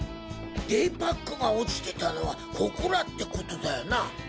デイパックが落ちてたのはここらってことだよな？